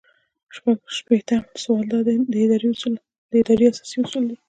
شپږ شپیتم سوال د ادارې اساسي اصول دي.